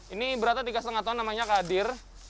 ini berata tiga lima ton namanya kadir